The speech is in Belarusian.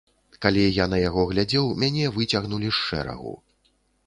Калі я на яго глядзеў, мяне выцягнулі з шэрагу.